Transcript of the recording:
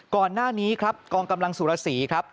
ก่อนหน้านี้ครับกองกำลังสุรสีครับ